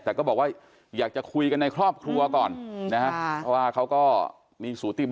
แต่แค่บอกว่าอยากจะคุยกันในครอบครัวก่อน